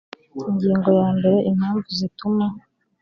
ingingo ya mbere impamvu zituma